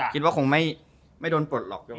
คิดว่าคงไม่โดนปลดหรอก